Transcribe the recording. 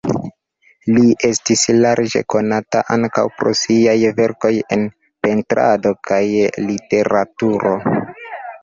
Li estis larĝe konata ankaŭ pro siaj verkoj en pentrado kaj literaturo.